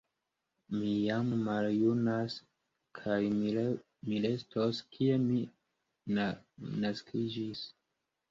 Mi jam maljunas, kaj mi restos kie mi naskiĝis.